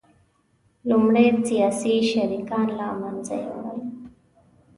لومړی سیاسي شریکان له منځه یوړل